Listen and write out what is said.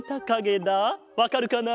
わかるかな？